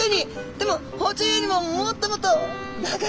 でも包丁よりももっともっと長いですよね。